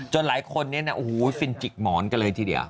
โดยรายคนเนี่ยนะโอ้โหฟินจิกหมอนกันเลยนี้เลยทีเดี๋ยว